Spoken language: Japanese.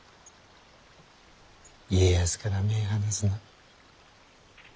家康から目ぇ離すな。